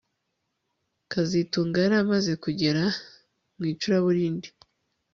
kazitunga yari amaze kugera mu icuraburindi